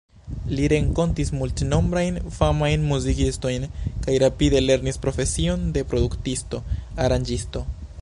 Li renkontis multnombrajn famajn muzikistojn kaj rapide lernis profesion de produktisto, aranĝisto.